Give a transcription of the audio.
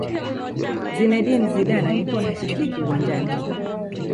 zinedine zidane alikuwa hashikiki uwanjani